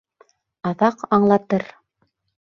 Аҙаҡ аңлатыр!